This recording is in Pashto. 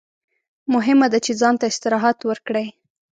مهمه ده چې ځان ته استراحت ورکړئ.